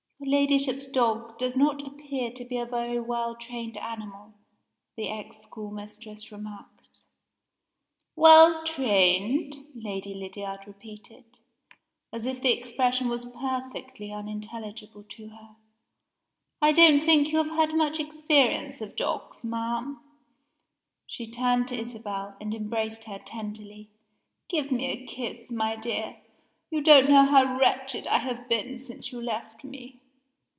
"Your Ladyship's dog does not appear to be a very well trained animal," the ex schoolmistress remarked. "Well trained?" Lady Lydiard repeated, as if the expression was perfectly unintelligible to her. "I don't think you have had much experience of dogs, ma'am." She turned to Isabel, and embraced her tenderly. "Give me a kiss, my dear you don't know how wretched I have been since you left me."